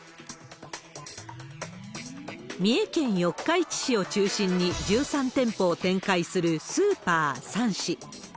三重県四日市市を中心に１３店舗を展開するスーパーサンシ。